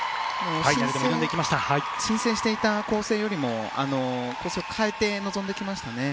申請していた構成よりも構成を変えて臨んできましたね。